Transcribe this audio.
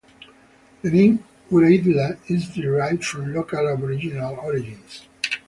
The name Uraidla is derived from local Aboriginal origins.